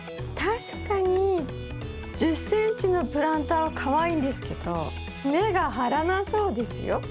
確かに１０ｃｍのプランターはかわいいんですけど根が張らなそうですよ。